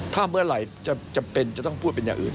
ถ้าเมื่อไหร่จำเป็นจะต้องพูดเป็นอย่างอื่น